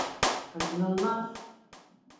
Kaçınılmaz.